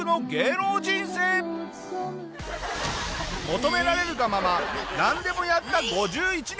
求められるがままなんでもやった５１年。